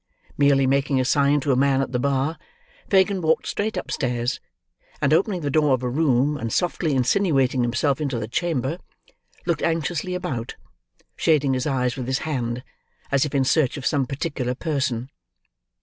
Merely making a sign to a man at the bar, Fagin walked straight upstairs, and opening the door of a room, and softly insinuating himself into the chamber, looked anxiously about: shading his eyes with his hand, as if in search of some particular person.